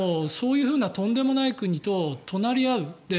そういうとんでもない国と隣り合う。